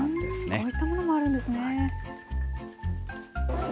こういったものもあるんですね。